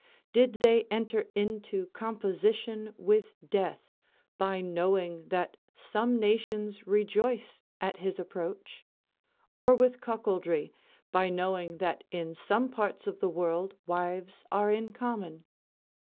Did they enter into composition with death by knowing that some nations rejoice at his approach; or with cuckoldry, by knowing that in some parts of the world wives are in common?